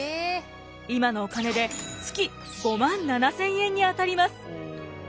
今のお金で月５万７，０００円にあたります。